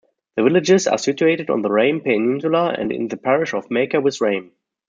The villages are situated on the Rame Peninsula and in the parish of Maker-with-Rame.